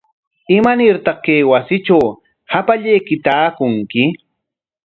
¿Imanartaq kay wasitraw hapallayki taakunki?